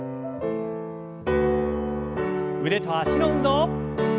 腕と脚の運動。